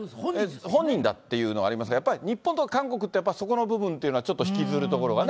本人だっていうのがありますけど、やっぱり日本とか韓国とかはやっぱりそこの部分っていうのはちょっと引きずるところがね。